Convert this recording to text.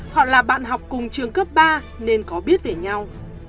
họ là bạn học cùng trường cấp ba nên có biết về nhau